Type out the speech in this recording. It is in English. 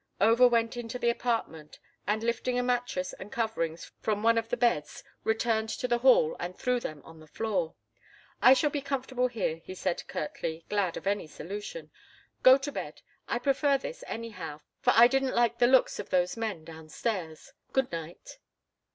Over went into the apartment, and, lifting a mattress and coverings from one of the beds, returned to the hall and threw them on the floor. "I shall be comfortable here," he said, curtly, glad of any solution. "Go to bed. I prefer this, anyhow, for I didn't like the looks of those men down stairs. Good night."